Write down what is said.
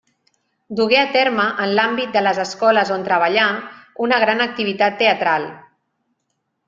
Dugué a terme, en l'àmbit de les escoles on treballà, una gran activitat teatral.